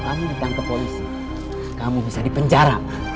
kamu ditangkap polisi kamu bisa dipenjara